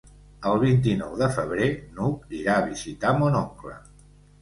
El vint-i-nou de febrer n'Hug irà a visitar mon oncle.